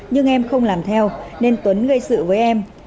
nhưng em không làm theo nên tuấn gây sự với em